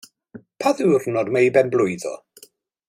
Pa ddiwrnod mae'i ben-blwydd o?